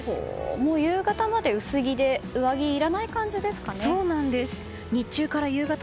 もう夕方まで薄着で上着いらない感じですかね？